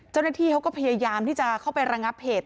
เจ้าหน้าที่เขาก็พยายามที่จะเข้าไประงับเหตุ